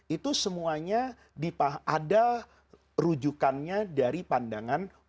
itu semuanya ada rujukannya dari pandang allah